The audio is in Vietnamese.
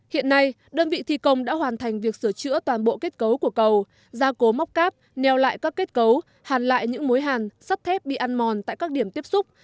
hiện nay đơn vị thi công đã hoàn thành việc sửa chữa toàn bộ kết cấu của cầu gia cố móc cáp neo lại các kết cấu hàn lại những mối hàn sắt thép bị ăn mòn tại các điểm tiếp xúc